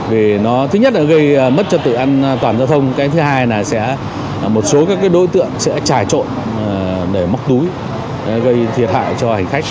vì nó thứ nhất là gây mất trật tự an toàn giao thông cái thứ hai là sẽ một số các đối tượng sẽ trà trộn để móc túi gây thiệt hại cho hành khách